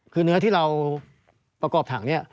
คือเนื้อที่เราประกอบถังนี้